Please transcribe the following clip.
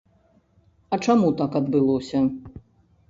А чаму так адбылося?